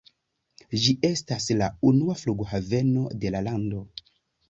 Ĝi estas la unua flughaveno de la lando.